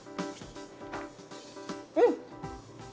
うん！